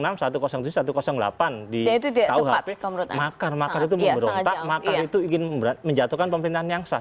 makar makar itu memberontak makar itu ingin menjatuhkan pemerintahan yang sah